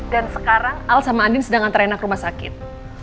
dan sekarang al sama andin sedang antar rena ke rumah sakit